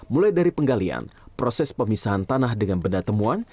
mulai dari penggalian proses pemisahan tanah dengan benda temuan